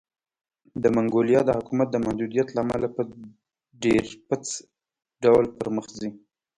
د منګولیا د حکومت د محدودیت له امله په ډېرپڅ ډول پرمخ ځي.